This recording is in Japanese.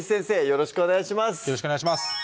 よろしくお願いします